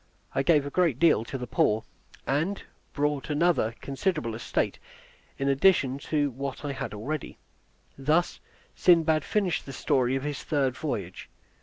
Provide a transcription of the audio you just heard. I gave a great deal to the poor, and bought another considerable estate in addition to what I had already. Thus Sindbad finished the story of his third voyage.